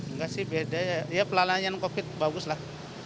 nggak sih beda ya ya pelayanan covid bagus lah